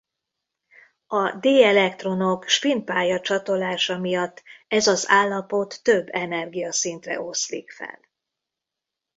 A d-elektronok spin-pálya csatolása miatt ez az állapot több energiaszintre oszlik fel.